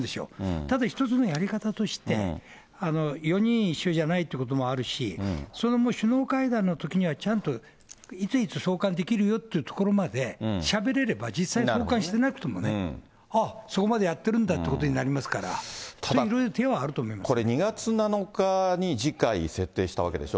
ただ一つのやり方として、４人一緒じゃないということもあるし、それも首脳会談のときには、ちゃんといついつ送還できるよっていうところまでしゃべれれば、実際送還してなくてもね、ああ、そこまでやってるんだということになりますから、ただこれ、２月７日に次回設定したわけでしょ。